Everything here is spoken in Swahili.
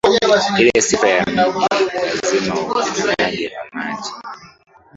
ile sifa za miji lazima upatikanaji wa maji